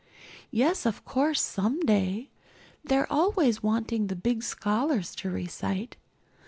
"Yes, of course, someday. They're always wanting the big scholars to recite.